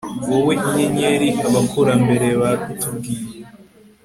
Wowe inyenyeri abakurambere batubwiye